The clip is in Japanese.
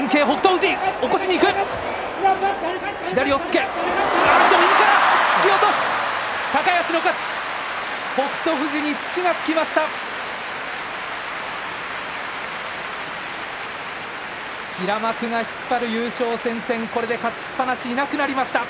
富士に土がつきました。